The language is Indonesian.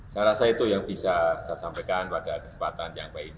saya rasa itu yang bisa saya sampaikan pada kesempatan